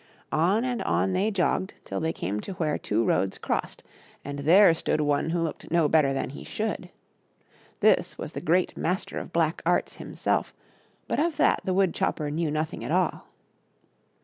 On and on they jogged till they came to where two roads crossed, and there stood one who looked no better than he should. This was the Great Master of Black Arts himself ; but of that the wood chopper knew nothing at all.